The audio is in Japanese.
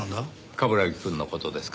冠城くんの事ですか？